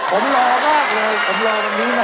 ผมรอมากเลย